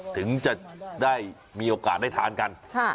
ถึงจะได้มีโอกาสได้ทานกัน